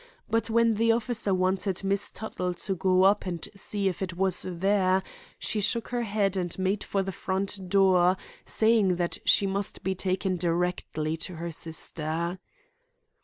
But when the officer wanted Miss Tuttle to go up and see if it was there, she shook her head and made for the front door, saying that she must be taken directly to her sister."